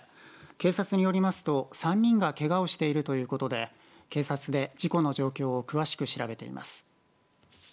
警察によりますと３人がけがをしているということで警察で事故の状況を詳しく調べています。